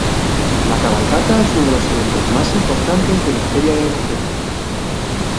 La Cabalgata es uno de los eventos más importantes de la Feria de Albacete.